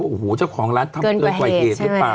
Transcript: โอ้โหเจ้าของร้านทำเกินกว่าเหตุหรือเปล่า